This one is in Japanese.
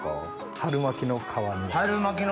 春巻きの皮か。